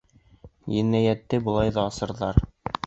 Енәйәтте былай ҙа асырҙар.